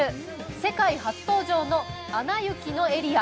世界初登場の、「アナ雪」のエリア